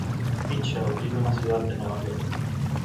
Mitchell vive en la ciudad de Nueva York.